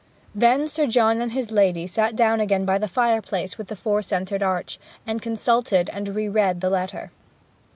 Then Sir John and his lady sat down again by the fireplace with the four centred arch, and consulted, and re read the letter.